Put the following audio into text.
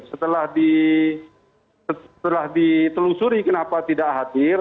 setelah ditelusuri kenapa tidak hadir